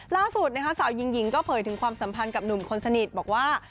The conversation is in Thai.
ล่าสุดนะคะสาวหญิงหญิงก็เผยถึงความสัมพันธ์กับหนุ่มคนสนิทบอกว่า